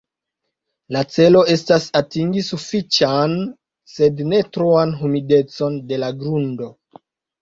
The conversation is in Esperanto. La celo estas atingi sufiĉan sed ne troan humidecon de la grundo.